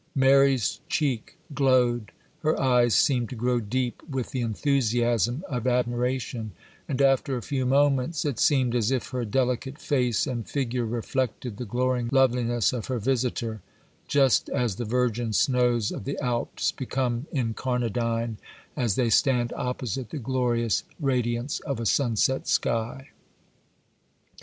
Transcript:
Mary's cheek glowed, her eyes seemed to grow deep with the enthusiasm of admiration, and, after a few moments, it seemed as if her delicate face and figure reflected the glowing loveliness of her visitor, just as the virgin snows of the Alps become incarnadine as they stand opposite the glorious radiance of a sunset sky.